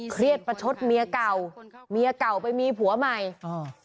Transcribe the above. เครียดประชดเมียเก่าเมียเก่าไปมีผัวใหม่อ่า